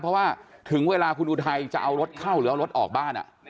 เพราะว่าถึงเวลาคุณอุทัยจะเอารถเข้าหรือเอารถออกบ้าน